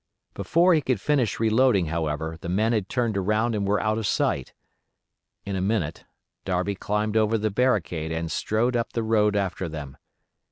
Before he could finish reloading, however, the men had turned around and were out of sight. In a minute Darby climbed over the barricade and strode up the road after them.